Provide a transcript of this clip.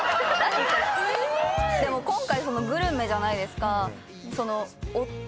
今回グルメじゃないですか。